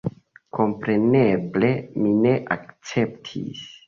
Kompreneble mi ne akceptis.